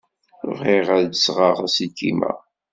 Bɣiɣ ad d-sɣeɣ aselkim-a.